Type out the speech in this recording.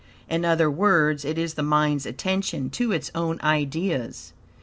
In other words, it is the mind's attention to its own ideas.